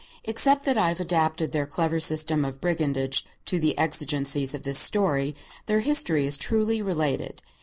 Except that I have adapted their clever system of brigandage to the exigencies of this story, their history is truly related.